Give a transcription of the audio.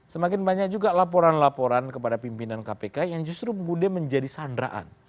semakin banyak juga laporan laporan kepada pimpinan kpk yang justru kemudian menjadi sandraan